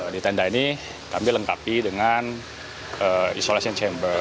di tenda ini kami lengkapi dengan isolation chamber